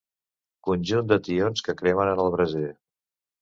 Conjunt de tions que cremen en el braser.